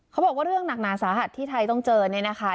เขาบอกว่าเรื่องหนักหนาสาหัสที่ไทยต้องเจอเนี่ยนะคะ